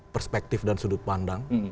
perspektif dan sudut pandang